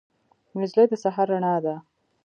نجلۍ د سحر رڼا ده.